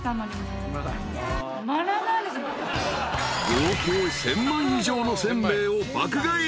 ［合計１，０００枚以上の煎餅を爆買い。